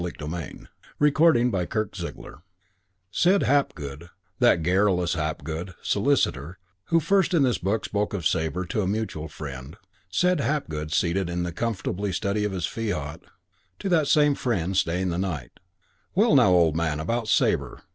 PART FOUR MABEL EFFIE NONA CHAPTER I I Said Hapgood that garrulous Hapgood, solicitor, who first in this book spoke of Sabre to a mutual friend said Hapgood, seated in the comfortable study of his fiat, to that same friend, staying the night: "Well, now, old man, about Sabre.